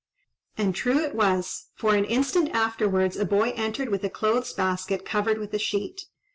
And true it was; for an instant afterwards, a boy entered with a clothes basket covered with a sheet.